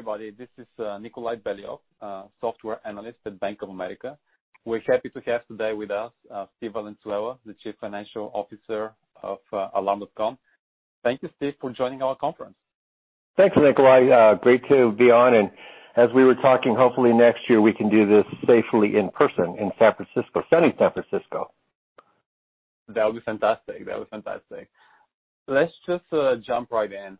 Hey everybody, this is Nikolay Beliov, Software Analyst at Bank of America. We're happy to have today with us, Steve Valenzuela, the Chief Financial Officer of Alarm.com. Thank you, Steve, for joining our conference. Thanks, Nikolay. Great to be on, and as we were talking, hopefully next year we can do this safely in person in sunny San Francisco. That would be fantastic. Let's just jump right in.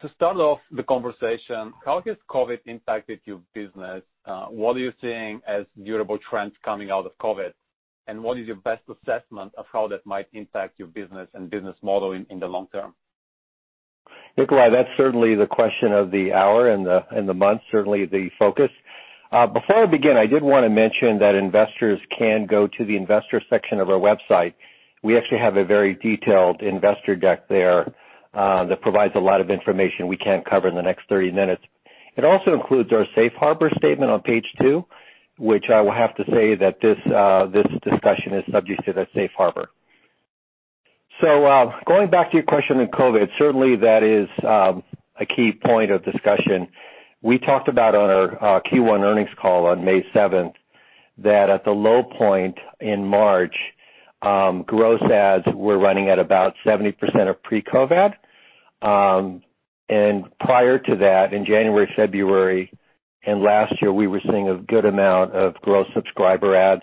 To start off the conversation, how has COVID impacted your business? What are you seeing as durable trends coming out of COVID? What is your best assessment of how that might impact your business and business model in the long term? Nikolay, that's certainly the question of the hour and the month, certainly the focus. Before I begin, I did want to mention that investors can go to the investor section of our website. We actually have a very detailed investor deck there that provides a lot of information we can't cover in the next 30 minutes. It also includes our safe harbor statement on page two, which I will have to say that this discussion is subject to the safe harbor. Going back to your question on COVID, certainly that is a key point of discussion. We talked about on our Q1 earnings call on May 7th, that at the low point in March, gross adds were running at about 70% of pre-COVID. Prior to that, in January, February, and last year, we were seeing a good amount of gross subscriber adds.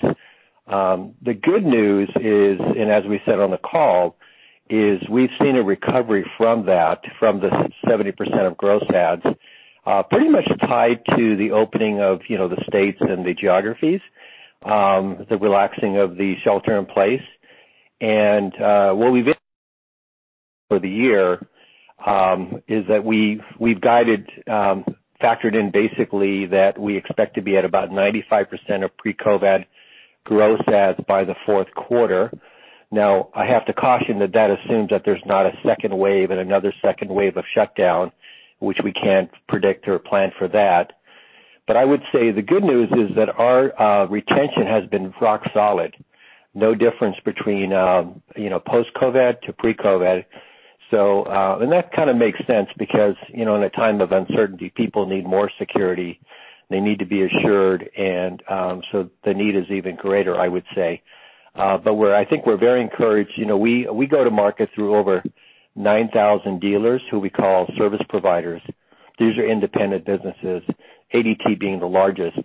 The good news is, as we said on the call, is we've seen a recovery from that, from the 70% of gross adds, pretty much tied to the opening of the states and the geographies, the relaxing of the shelter in place. For the year, is that we've guided, factored in basically that we expect to be at about 95% of pre-COVID gross adds by the fourth quarter. Now, I have to caution that assumes that there's not a second wave and another second wave of shutdown, which we can't predict or plan for that. I would say the good news is that our retention has been rock solid. No difference between post-COVID to pre-COVID. That kind of makes sense because in a time of uncertainty, people need more security. They need to be assured. The need is even greater, I would say. I think we're very encouraged. We go to market through over 9,000 dealers who we call service providers. These are independent businesses, ADT being the largest.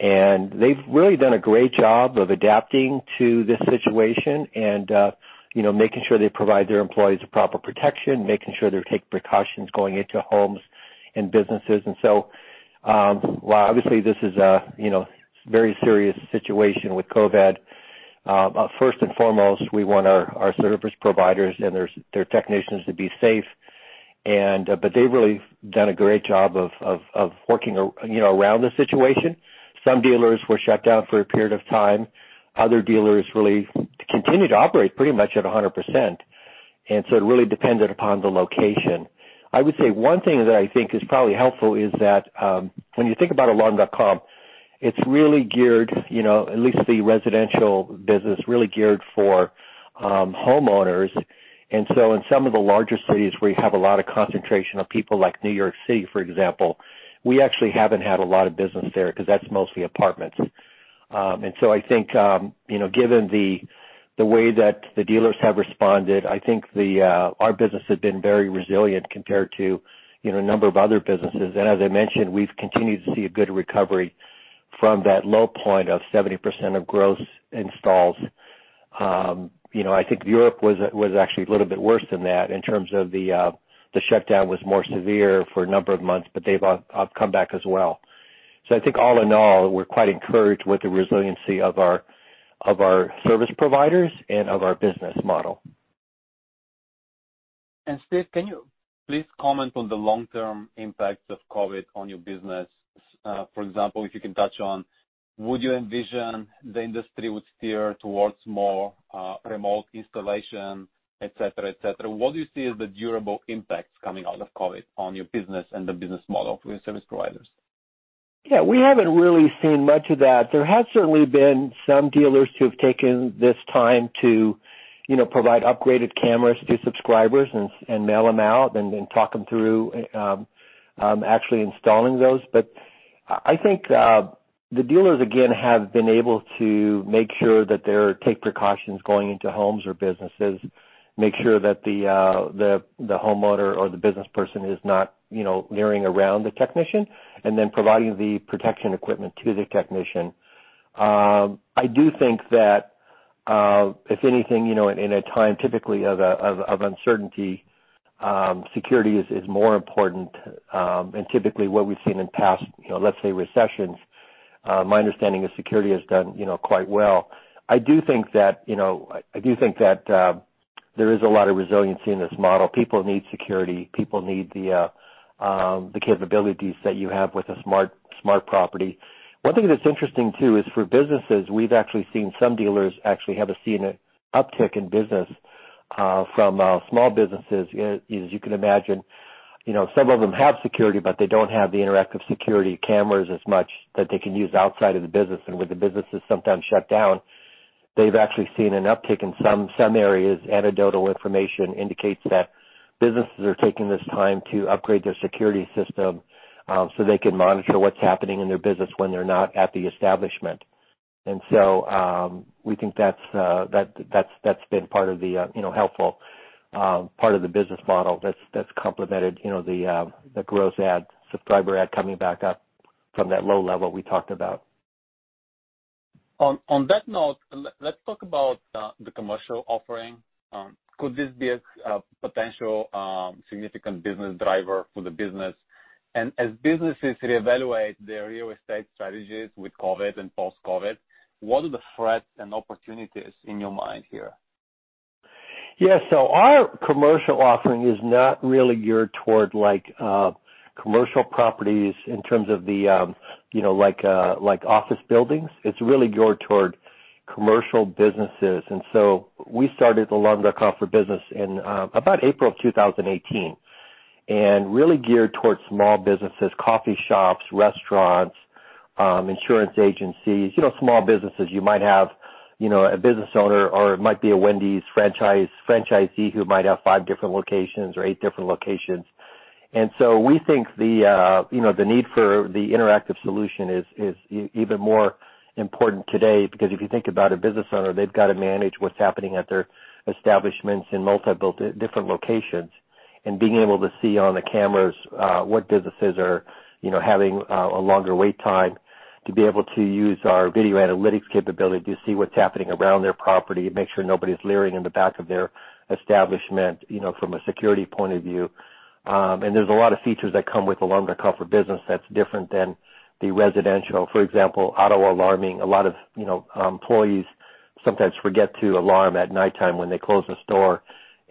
They've really done a great job of adapting to this situation and making sure they provide their employees the proper protection, making sure they take precautions going into homes and businesses. While obviously this is a very serious situation with COVID, first and foremost, we want our service providers and their technicians to be safe. They've really done a great job of working around the situation. Some dealers were shut down for a period of time. Other dealers really continued to operate pretty much at 100%. It really depended upon the location. I would say one thing that I think is probably helpful is that, when you think about Alarm.com, it's really geared, at least the residential business, really geared for homeowners. In some of the larger cities where you have a lot of concentration of people like New York City, for example, we actually haven't had a lot of business there because that's mostly apartments. I think, given the way that the dealers have responded, I think our business has been very resilient compared to a number of other businesses. As I mentioned, we've continued to see a good recovery from that low point of 70% of gross installs. I think Europe was actually a little bit worse than that in terms of the shutdown was more severe for a number of months, they've come back as well. I think all in all, we're quite encouraged with the resiliency of our service providers and of our business model. Steve, can you please comment on the long-term impacts of COVID on your business? For example, if you can touch on, would you envision the industry would steer towards more remote installation, et cetera? What do you see as the durable impacts coming out of COVID on your business and the business model for your service providers? Yeah, we haven't really seen much of that. There has certainly been some dealers who have taken this time to provide upgraded cameras to subscribers and mail them out and talk them through actually installing those. I think the dealers, again, have been able to make sure that they take precautions going into homes or businesses, make sure that the homeowner or the business person is not leering around the technician, and then providing the protection equipment to the technician. I do think that if anything, in a time typically of uncertainty, security is more important. Typically what we've seen in past, let's say recessions, my understanding is security has done quite well. I do think that there is a lot of resiliency in this model. People need security. People need the capabilities that you have with a smart property. One thing that's interesting too is for businesses, we've actually seen some dealers actually have seen a uptick in business from small businesses. As you can imagine, some of them have security, but they don't have the interactive security cameras as much that they can use outside of the business. Where the business is sometimes shut down. They've actually seen an uptick in some areas. Anecdotal information indicates that businesses are taking this time to upgrade their security system so they can monitor what's happening in their business when they're not at the establishment. So, we think that's been part of the helpful part of the business model that's complemented the gross add, subscriber add coming back up from that low level we talked about. On that note, let's talk about the commercial offering. Could this be a potential significant business driver for the business? As businesses reevaluate their real estate strategies with COVID and post-COVID, what are the threats and opportunities in your mind here? Yeah. Our commercial offering is not really geared toward commercial properties in terms of office buildings. It's really geared toward commercial businesses. We started Alarm.com for Business in about April of 2018, and really geared towards small businesses, coffee shops, restaurants, insurance agencies. Small businesses. You might have a business owner or it might be a Wendy's franchisee who might have five different locations or eight different locations. We think the need for the interactive solution is even more important today because if you think about a business owner, they've got to manage what's happening at their establishments in multiple, different locations. Being able to see on the cameras, what businesses are having a longer wait time, to be able to use our video analytics capability to see what's happening around their property and make sure nobody's leering in the back of their establishment, from a security point of view. There's a lot of features that come with Alarm.com for Business that's different than the residential. For example, auto alarming. A lot of employees sometimes forget to alarm at nighttime when they close the store,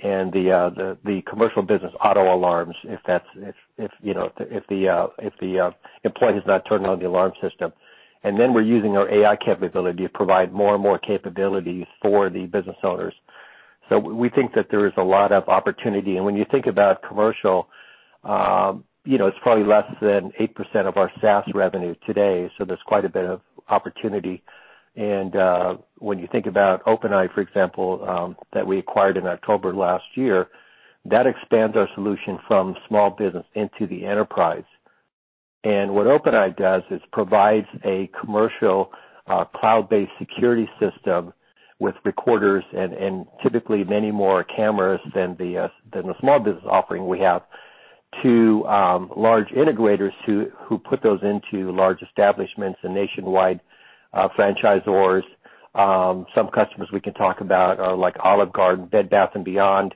and the commercial business auto alarms if the employee has not turned on the alarm system. We're using our AI capability to provide more and more capabilities for the business owners. We think that there is a lot of opportunity. When you think about commercial, it's probably less than 8% of our SaaS revenue today. There's quite a bit of opportunity. When you think about OpenEye, for example, that we acquired in October last year, that expands our solution from small business into the enterprise. What OpenEye does is provides a commercial, cloud-based security system with recorders and typically many more cameras than the small business offering we have to large integrators who put those into large establishments and nationwide franchisors. Some customers we can talk about are Olive Garden, Bed Bath & Beyond,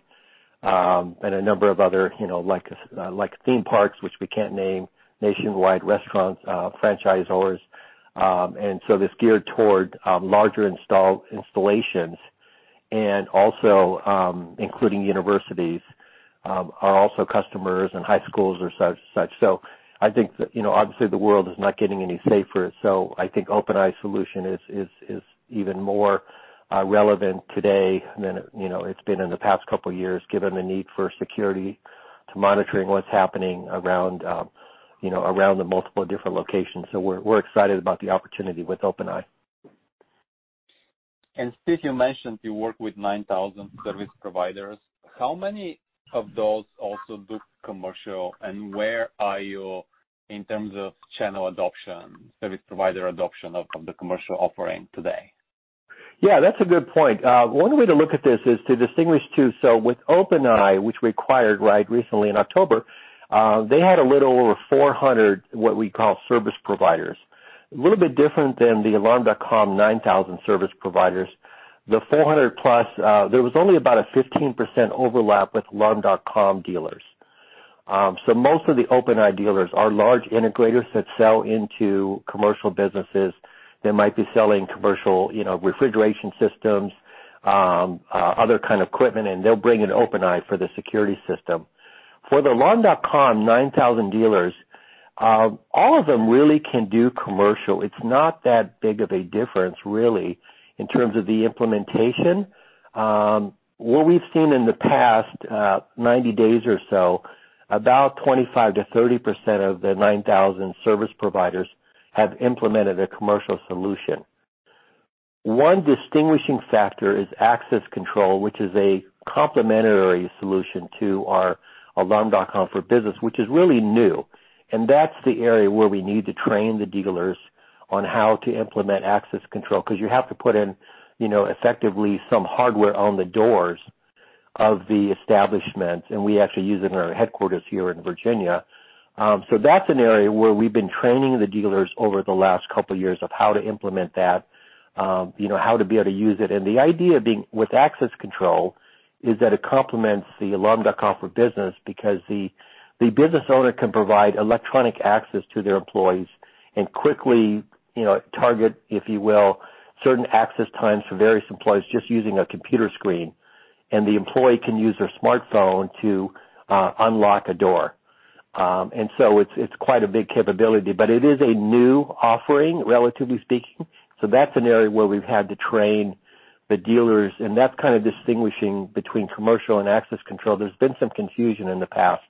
and a number of other theme parks, which we can't name, nationwide restaurants, franchisors. It's geared toward larger installations, also including universities are also customers, and high schools or such. I think that, obviously the world is not getting any safer, I think OpenEye solution is even more relevant today than it's been in the past couple of years, given the need for security to monitoring what's happening around the multiple different locations. We're excited about the opportunity with OpenEye. Steve, you mentioned you work with 9,000 service providers. How many of those also do commercial, and where are you in terms of channel adoption, service provider adoption of the commercial offering today? Yeah, that's a good point. One way to look at this is to distinguish two. With OpenEye, which we acquired right recently in October, they had a little over 400, what we call service providers. A little bit different than the Alarm.com 9,000 service providers. The 400+, there was only about a 15% overlap with Alarm.com dealers. Most of the OpenEye dealers are large integrators that sell into commercial businesses. They might be selling commercial refrigeration systems, other kind of equipment, and they'll bring in OpenEye for the security system. For the Alarm.com 9,000 dealers, all of them really can do commercial. It's not that big of a difference, really, in terms of the implementation. What we've seen in the past 90 days or so, about 25%-30% of the 9,000 service providers have implemented a commercial solution. One distinguishing factor is access control, which is a complementary solution to our Alarm.com for Business, which is really new. That's the area where we need to train the dealers on how to implement access control, because you have to put in effectively some hardware on the doors of the establishment, and we actually use it in our headquarters here in Virginia. That's an area where we've been training the dealers over the last couple of years of how to implement that, how to be able to use it. The idea with access control is that it complements the Alarm.com for Business because the business owner can provide electronic access to their employees and quickly target, if you will, certain access times for various employees just using a computer screen. The employee can use their smartphone to unlock a door. It's quite a big capability. It is a new offering, relatively speaking, so that's an area where we've had to train the dealers. That's kind of distinguishing between commercial and access control. There's been some confusion in the past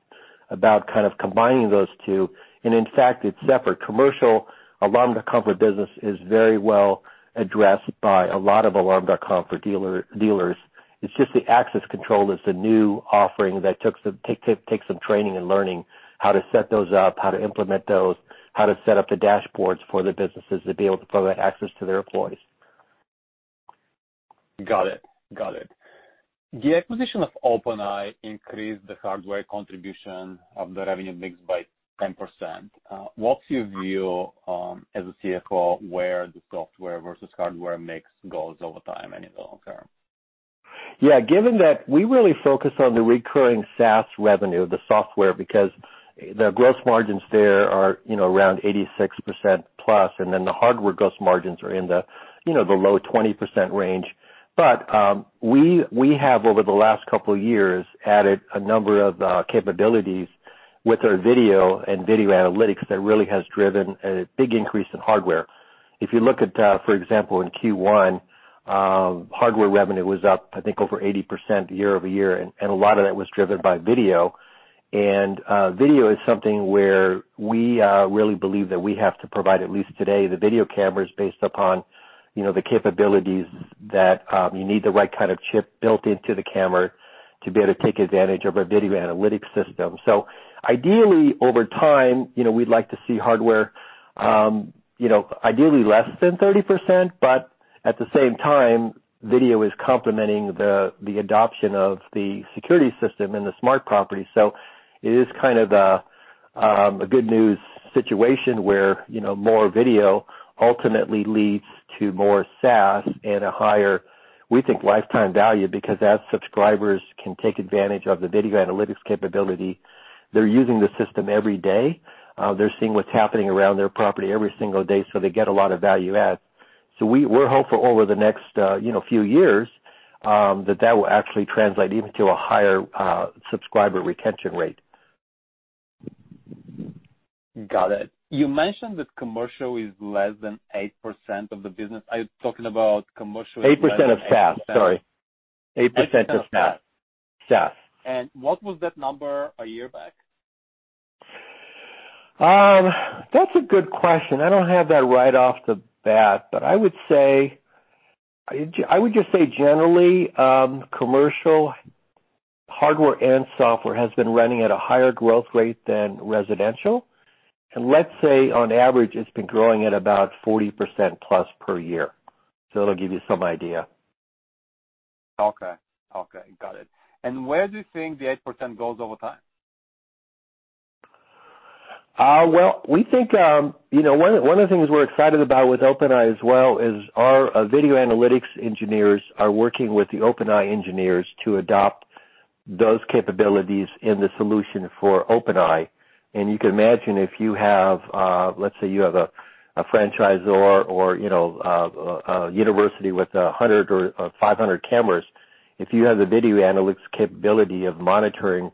about kind of combining those two, and in fact, it's separate. Commercial Alarm.com for Business is very well addressed by a lot of Alarm.com for dealers. It's just the access control is the new offering that takes some training and learning how to set those up, how to implement those, how to set up the dashboards for the businesses to be able to provide access to their employees. Got it. The acquisition of OpenEye increased the hardware contribution of the revenue mix by 10%. What's your view, as a CFO, where the software versus hardware mix goes over time and in the long term? Yeah. Given that we really focus on the recurring SaaS revenue, the software, because the gross margins there are around 86%+, then the hardware gross margins are in the low 20% range. We have, over the last couple of years, added a number of capabilities with our video and video analytics that really has driven a big increase in hardware. If you look at, for example, in Q1, hardware revenue was up, I think, over 80% year-over-year, and a lot of that was driven by video. Video is something where we really believe that we have to provide, at least today, the video cameras based upon the capabilities that you need the right kind of chip built into the camera to be able to take advantage of our video analytics system. Ideally, over time, we'd like to see hardware ideally less than 30%, but at the same time, video is complementing the adoption of the security system and the smart property. It is kind of a good news situation where more video ultimately leads to more SaaS and a higher, we think, lifetime value because as subscribers can take advantage of the video analytics capability, they're using the system every day. They're seeing what's happening around their property every single day, so they get a lot of value add. We're hopeful over the next few years, that that will actually translate even to a higher subscriber retention rate. Got it. You mentioned that commercial is less than 8% of the business. Are you talking about commercial? 8% of SaaS, sorry. 8% of SaaS. What was that number a year back? That's a good question. I don't have that right off the bat. I would just say generally, commercial hardware and software has been running at a higher growth rate than residential. Let's say, on average, it's been growing at about 40%+ per year. It'll give you some idea. Okay. Got it. Where do you think the 8% goes over time? Well, one of the things we're excited about with OpenEye as well is our video analytics engineers are working with the OpenEye engineers to adopt those capabilities in the solution for OpenEye. You can imagine if you have, let's say you have a franchisor or a university with 100 or 500 cameras. If you have the video analytics capability of monitoring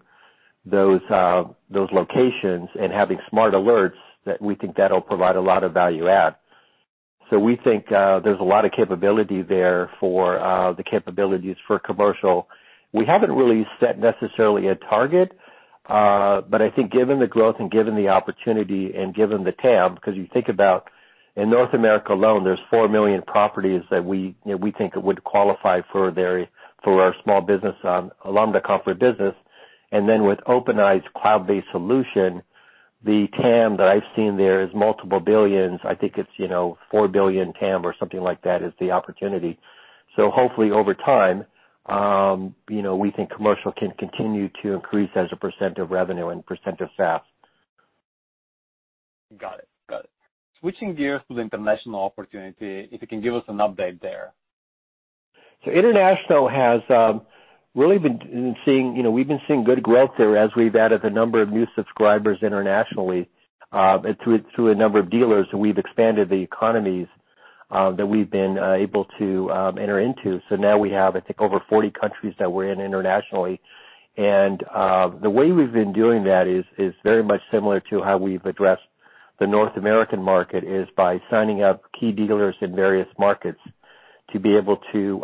those locations and having smart alerts, we think that'll provide a lot of value add. We think there's a lot of capability there for the capabilities for commercial. We haven't really set necessarily a target. I think given the growth and given the opportunity and given the TAM, because you think about in North America alone, there's 4 million properties that we think would qualify for our small business Alarm.com for Business. With OpenEye's cloud-based solution, the TAM that I've seen there is multiple billions. I think it's $4 billion TAM or something like that is the opportunity. Hopefully over time, we think commercial can continue to increase as a percent of revenue and percent of SaaS. Got it. Switching gears to the international opportunity, if you can give us an update there. International, we've been seeing good growth there as we've added a number of new subscribers internationally, through a number of dealers, and we've expanded the economies that we've been able to enter into. Now we have, I think, over 40 countries that we're in internationally. The way we've been doing that is very much similar to how we've addressed the North American market, is by signing up key dealers in various markets to be able to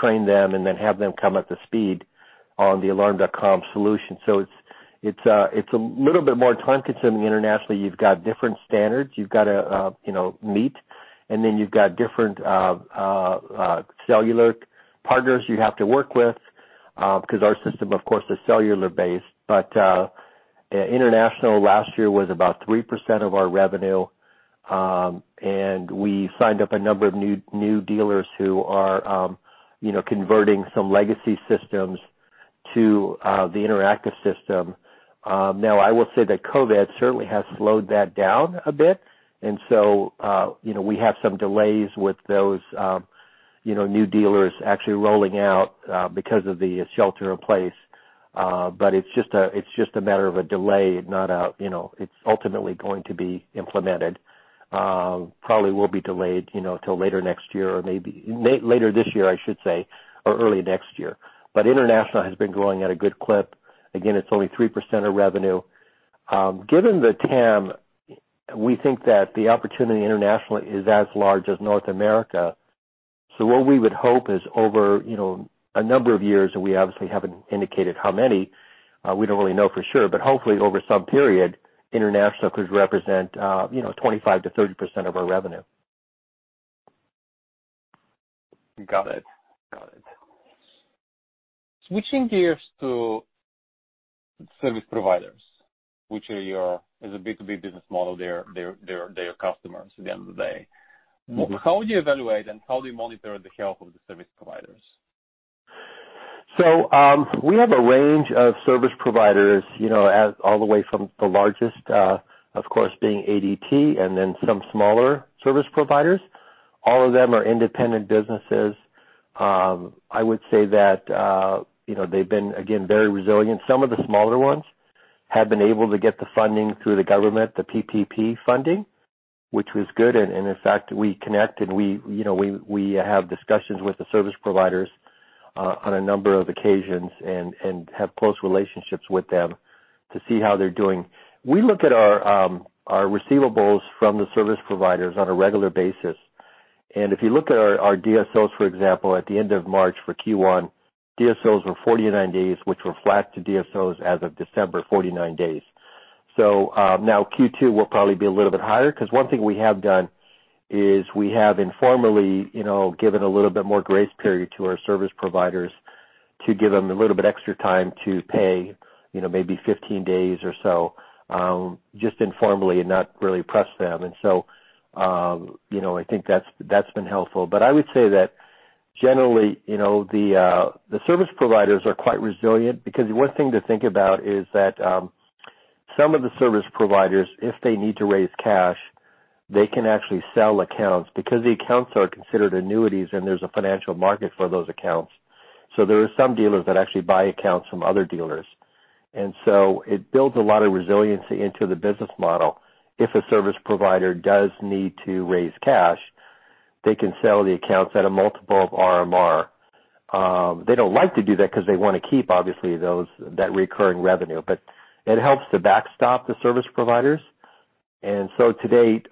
train them and then have them come up to speed on the Alarm.com solution. It's a little bit more time-consuming internationally. You've got different standards you've got to meet, and then you've got different cellular partners you have to work with, because our system, of course, is cellular based but International last year was about 3% of our revenue. We signed up a number of new dealers who are converting some legacy systems to the interactive system. Now, I will say that COVID certainly has slowed that down a bit, and so we have some delays with those new dealers actually rolling out because of the shelter in place. It's just a matter of a delay. It's ultimately going to be implemented. Probably will be delayed till later next year, or maybe later this year, I should say, or early next year. International has been growing at a good clip. Again, it's only 3% of revenue. Given the TAM, we think that the opportunity internationally is as large as North America. What we would hope is over a number of years, and we obviously haven't indicated how many, we don't really know for sure, but hopefully over some period, international could represent 25%-30% of our revenue. Got it. Switching gears to service providers, which as a B2B business model, they're customers at the end of the day. How would you evaluate and how do you monitor the health of the service providers? We have a range of service providers, all the way from the largest, of course, being ADT and then some smaller service providers. All of them are independent businesses. I would say that they've been, again, very resilient. Some of the smaller ones have been able to get the funding through the government, the PPP funding, which was good, and in fact, we connect and we have discussions with the service providers on a number of occasions and have close relationships with them to see how they're doing. We look at our receivables from the service providers on a regular basis. If you look at our DSOs, for example, at the end of March for Q1, DSOs were 49 days, which reflect to DSOs as of December, 49 days. Now Q2 will probably be a little bit higher because one thing we have done is we have informally given a little bit more grace period to our service providers to give them a little bit extra time to pay, maybe 15 days or so, just informally and not really press them. I think that's been helpful. I would say that generally, the service providers are quite resilient because one thing to think about is that some of the service providers, if they need to raise cash, they can actually sell accounts because the accounts are considered annuities and there's a financial market for those accounts. There are some dealers that actually buy accounts from other dealers. It builds a lot of resiliency into the business model. If a service provider does need to raise cash, they can sell the accounts at a multiple of RMR. They don't like to do that because they want to keep, obviously, that recurring revenue. It helps to backstop the service providers. To date,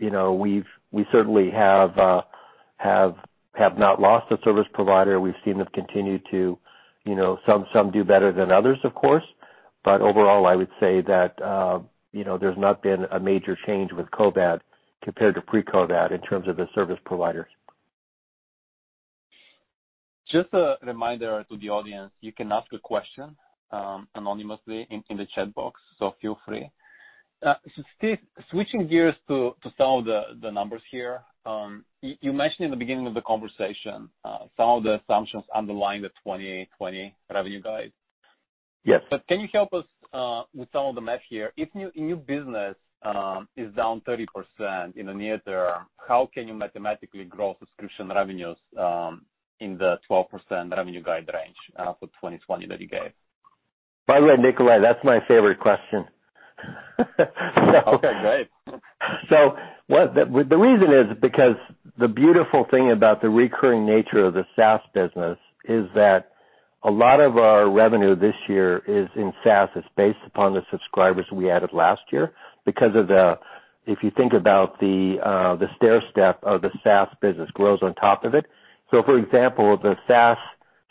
we certainly have not lost a service provider. We've seen them, some do better than others, of course. Overall, I would say that there's not been a major change with COVID compared to pre-COVID in terms of the service providers. Just a reminder to the audience, you can ask a question anonymously in the chat box. Feel free. Steve, switching gears to some of the numbers here. You mentioned in the beginning of the conversation some of the assumptions underlying the 2020 revenue guide. Yes. Can you help us with some of the math here? If new business is down 30% in the near term, how can you mathematically grow subscription revenues in the 12% revenue guide range for 2020 that you gave? By the way, Nikolay, that's my favorite question. Okay, great. The reason is because the beautiful thing about the recurring nature of the SaaS business is that a lot of our revenue this year is in SaaS. It's based upon the subscribers we added last year because if you think about the stairstep of the SaaS business grows on top of it. For example, the SaaS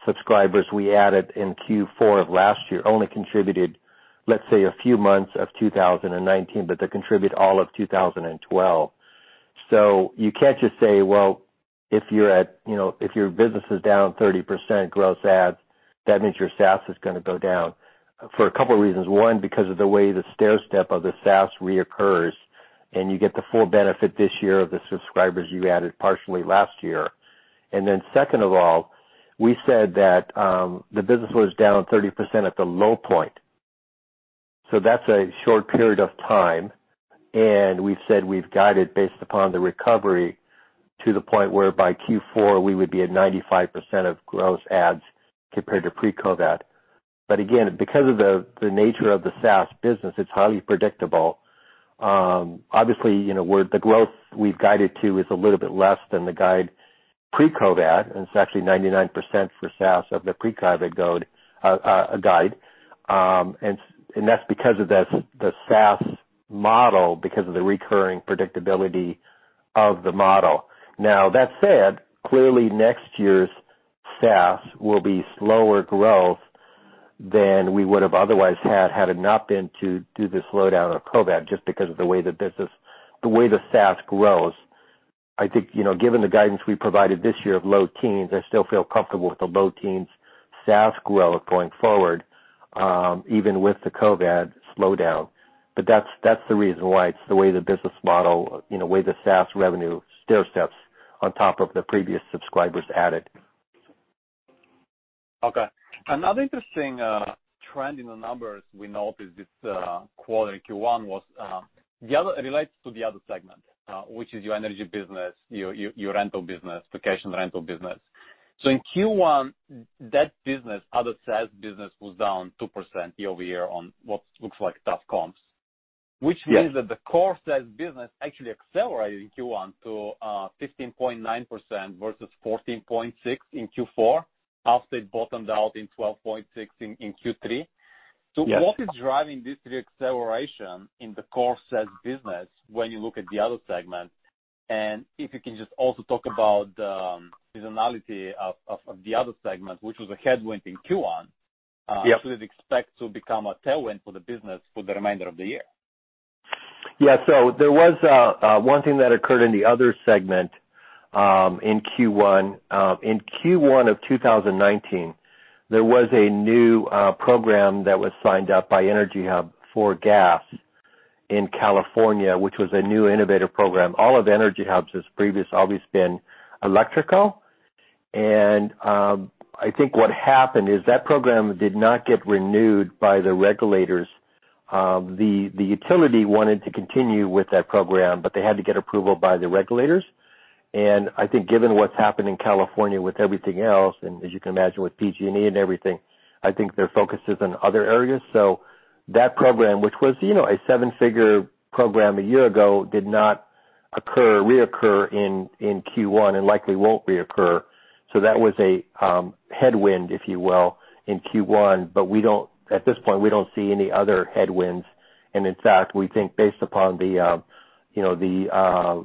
subscribers we added in Q4 of last year only contributed, let's say, a few months of 2019, but they contribute all of 2012. You can't just say, well, if your business is down 30% gross adds, that means your SaaS is going to go down for a couple of reasons. One, because of the way the stairstep of the SaaS reoccurs, and you get the full benefit this year of the subscribers you added partially last year. Second of all, we said that the business was down 30% at the low point. That's a short period of time, and we've said we've guided based upon the recovery to the point where by Q4, we would be at 95% of gross adds compared to pre-COVID but again because of the nature of the SaaS business, it's highly predictable. Obviously, the growth we've guided to is a little bit less than the guide pre-COVID, and it's actually 99% for SaaS of the pre-COVID guide. That's because of the SaaS model, because of the recurring predictability of the model. That said, clearly next year's SaaS will be slower growth than we would have otherwise had it not been to do the slowdown of COVID just because of the way the SaaS grows. I think, given the guidance we provided this year of low teens, I still feel comfortable with the low teens SaaS growth going forward even with the COVID slowdown. That's the reason why it's the way the business model, way the SaaS revenue stairsteps on top of the previous subscribers added. Okay. Another interesting trend in the numbers we noticed this quarter in Q1 relates to the other segment, which is your energy business, your rental business, vacation rental business. In Q1, that business, other SaaS business, was down 2% year-over-year on what looks like tough comps. Yes. Which means that the core SaaS business actually accelerated in Q1 to 15.9% versus 14.6% in Q4 after it bottomed out in 12.6% in Q3. What is driving this reacceleration in the core SaaS business when you look at the other segment? If you can just also talk about the seasonality of the other segment, which was a headwind in Q1? Yes should we expect to become a tailwind for the business for the remainder of the year? Yeah. There was one thing that occurred in the other segment, in Q1. In Q1 of 2019, there was a new program that was signed up by EnergyHub for gas in California, which was a new innovative program. All of EnergyHub's has previous always been electrical. I think what happened is that program did not get renewed by the regulators. The utility wanted to continue with that program, but they had to get approval by the regulators. I think given what's happened in California with everything else, and as you can imagine with PG&E and everything, I think their focus is on other areas. That program, which was a seven-figure program a year ago, did not reoccur in Q1, and likely won't reoccur. That was a headwind, if you will, in Q1, but at this point, we don't see any other headwinds. In fact, we think based upon the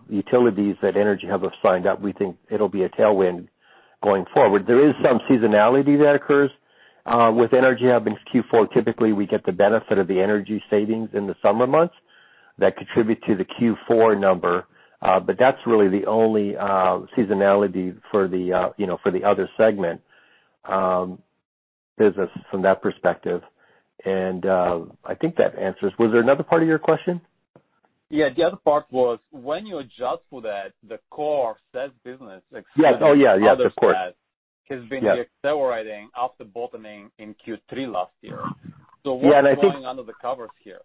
utilities that EnergyHub have signed up, we think it'll be a tailwind going forward. There is some seasonality that occurs. With EnergyHub in Q4, typically, we get the benefit of the energy savings in the summer months that contribute to the Q4 number. That's really the only seasonality for the other segment business from that perspective. I think that answers. Was there another part of your question? Yeah, the other part was when you adjust for that, the core SaaS business excluding- Yes. Oh, yeah. Yes, of course. other SaaS, has been reaccelerating after bottoming in Q3 last year. Yeah, and I think- What's going under the covers here?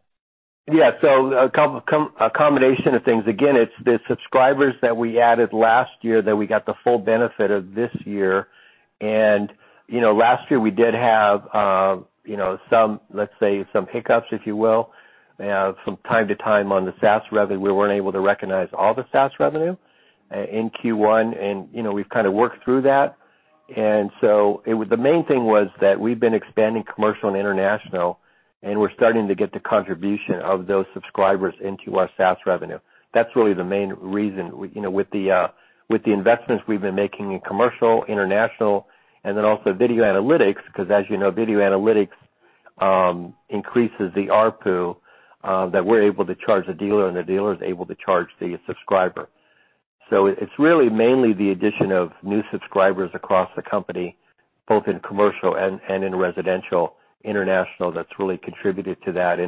A combination of things. Again, it's the subscribers that we added last year that we got the full benefit of this year. Last year, we did have some hiccups, if you will. From time to time on the SaaS revenue, we weren't able to recognize all the SaaS revenue in Q1, and we've kind of worked through that so the main thing was that we've been expanding commercial and international, and we're starting to get the contribution of those subscribers into our SaaS revenue. That's really the main reason. With the investments we've been making in commercial, international, and then also video analytics, because as you know, video analytics increases the ARPU that we're able to charge the dealer, and the dealer is able to charge the subscriber. It's really mainly the addition of new subscribers across the company, both in commercial and in residential, international, that's really contributed to that.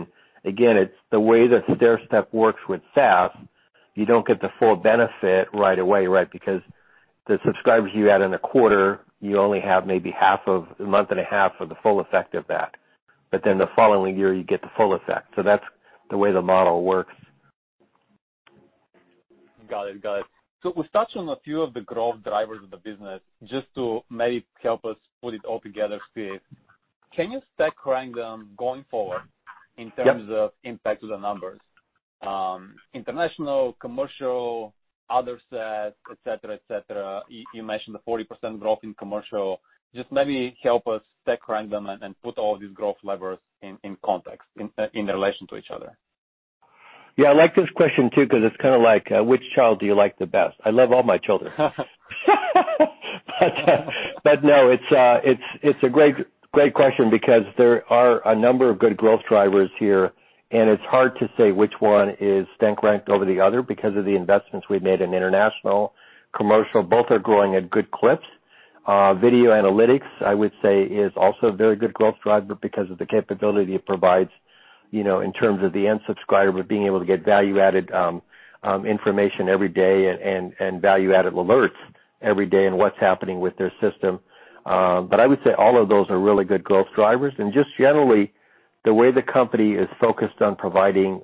Again, it's the way that stairstep works with SaaS. You don't get the full benefit right away, right? The subscribers you add in a quarter, you only have maybe a month and a half for the full effect of that. The following year, you get the full effect. That's the way the model works. Got it. We touched on a few of the growth drivers of the business. To maybe help us put it all together, Steve, can you stack rank them going forward in terms of impact to the numbers? International, commercial, other SaaS, et cetera. You mentioned the 40% growth in commercial. Just maybe help us stack rank them and put all these growth levers in context, in relation to each other. Yeah. I like this question, too, because it's kind of like, which child do you like the best? I love all my children. No, it's a great question because there are a number of good growth drivers here, and it's hard to say which one is stack ranked over the other because of the investments we've made in international, commercial. Both are growing at good clips. Video analytics, I would say is also a very good growth driver because of the capability it provides in terms of the end subscriber being able to get value-added information every day and value-added alerts every day on what's happening with their system. I would say all of those are really good growth drivers, and just generally, the way the company is focused on providing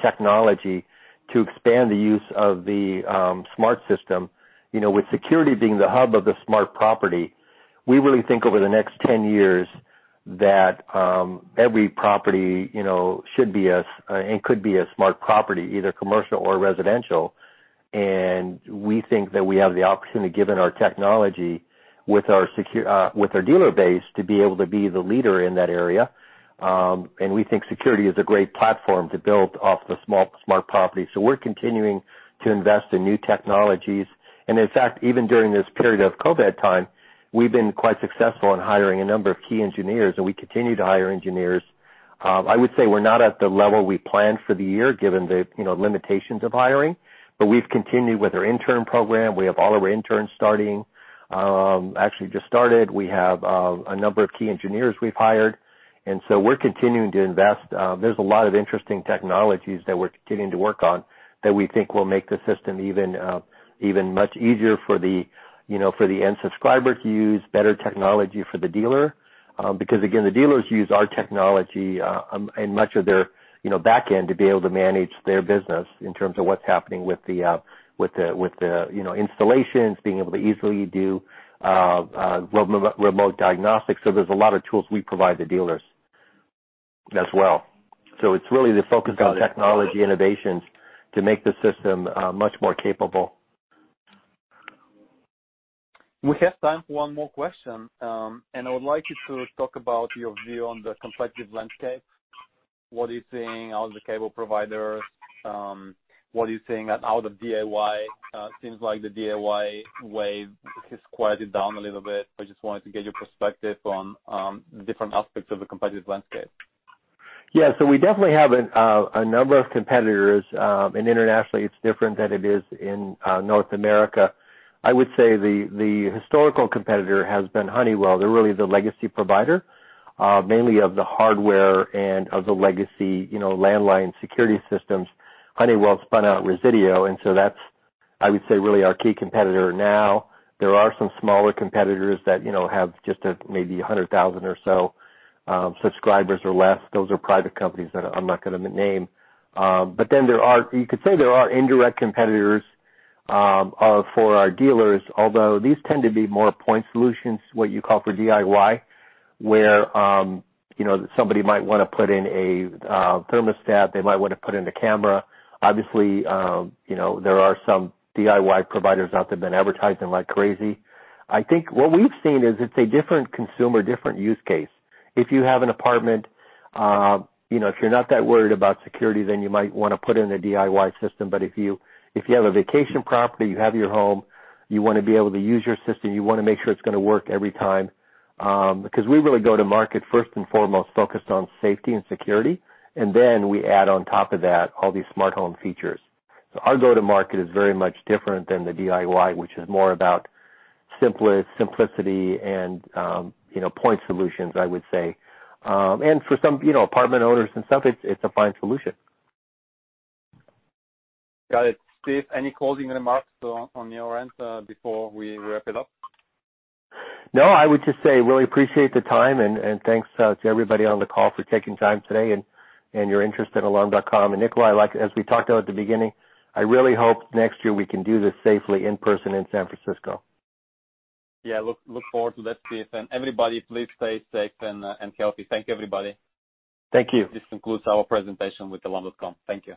technology to expand the use of the smart system. With security being the hub of the smart property, we really think over the next 10 years that every property should be and could be a smart property, either commercial or residential. We think that we have the opportunity, given our technology with our dealer base, to be able to be the leader in that area. We think security is a great platform to build off the smart property. We're continuing to invest in new technologies. In fact, even during this period of COVID time, we've been quite successful in hiring a number of key engineers, and we continue to hire engineers. I would say we're not at the level we planned for the year given the limitations of hiring, but we've continued with our intern program. We have all of our interns starting. Actually, just started. We have a number of key engineers we've hired, and so we're continuing to invest. There's a lot of interesting technologies that we're continuing to work on that we think will make the system even much easier for the end subscriber to use, better technology for the dealer because again, the dealers use our technology in much of their back end to be able to manage their business in terms of what's happening with the installations, being able to easily do remote diagnostics. There's a lot of tools we provide the dealers as well. It's really the focus on technology innovations to make the system much more capable. We have time for one more question. I would like you to talk about your view on the competitive landscape. What are you seeing out of the cable providers? What are you seeing out of DIY? Seems like the DIY wave has quieted down a little bit. I just wanted to get your perspective on different aspects of the competitive landscape. Yeah. We definitely have a number of competitors, and internationally it's different than it is in North America. I would say the historical competitor has been Honeywell. They're really the legacy provider, mainly of the hardware and of the legacy landline security systems. Honeywell spun out Resideo, that's, I would say, really our key competitor now. There are some smaller competitors that have just maybe 100,000 or so subscribers or less. Those are private companies that I'm not going to name. You could say there are indirect competitors for our dealers, although these tend to be more point solutions, what you call for DIY, where somebody might want to put in a thermostat, they might want to put in a camera. Obviously, there are some DIY providers out there have been advertising like crazy. I think what we've seen is it's a different consumer, different use case. If you have an apartment, if you're not that worried about security, you might want to put in a DIY system. If you have a vacation property, you have your home, you want to be able to use your system, you want to make sure it's going to work every time. We really go to market first and foremost focused on safety and security, we add on top of that all these smart home features. Our go to market is very much different than the DIY, which is more about simplicity and point solutions, I would say. For some apartment owners and stuff, it's a fine solution. Got it. Steve, any closing remarks on your end before we wrap it up? No, I would just say really appreciate the time, and thanks to everybody on the call for taking time today and your interest in Alarm.com. Nikolay, as we talked about at the beginning, I really hope next year we can do this safely in person in San Francisco. Yeah, look forward to that, Steve. Everybody please stay safe and healthy. Thank you, everybody. Thank you. This concludes our presentation with Alarm.com. Thank you.